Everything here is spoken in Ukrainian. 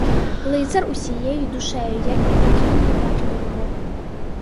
Лицар усією душею, як і покійний батько його.